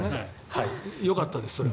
よかったです、それは。